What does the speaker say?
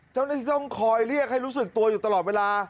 เจ้าหน้าที่ต้องคอยเรียกให้รู้สึกตัวอยู่ตลอดเวลา